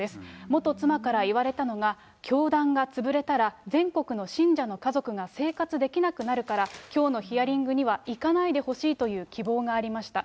元妻から言われたのが、教団が潰れたら、全国の信者の家族が生活できなくなるから、きょうのヒアリングには行かないでほしいという希望がありました。